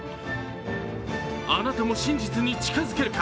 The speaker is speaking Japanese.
あなたも真実に近づけるか。